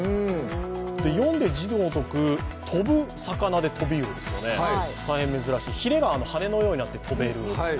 読んで字のごとく飛ぶ魚で飛び魚ですよね、大変珍しい、ひれが羽のようになって飛べる。